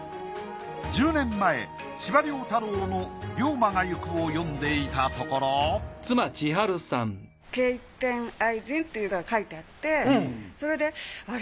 １０年前司馬遼太郎の『竜馬がゆく』を読んでいたところ「敬天愛人」っていうのが書いてあってそれであれ？